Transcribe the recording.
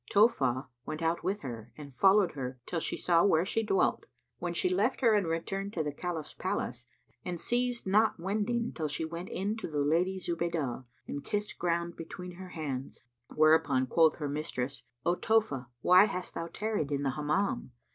Tohfah went out with her and followed her, till she saw where she dwelt, when she left her and returned to the Caliph's palace; and ceased not wending till she went in to the Lady Zubaydah and kissed ground between her hands; whereupon quoth her mistress, "O Tohfah, why hast thou tarried in the Hammam?"